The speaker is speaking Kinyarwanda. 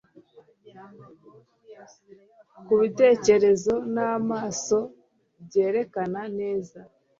Kubitekerezo n'amaso byerekana neza